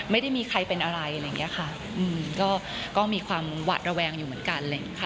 ไม่ได้มีใครเป็นอะไรอะไรงี้ค่ะก็มีความหวาดระแวงอยู่เหมือนกันเลยนะคะ